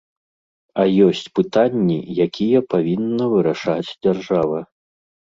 А ёсць пытанні, якія павінна вырашаць дзяржава.